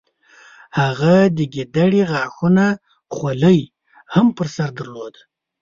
هغه د ګیدړې غاښونو خولۍ هم په سر درلوده.